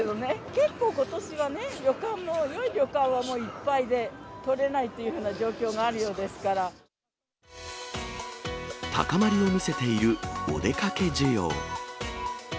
結構、ことしはね、旅館も、よい旅館はもういっぱいで、取れないというふうな状況がある高まりを見せているお出かけ需要。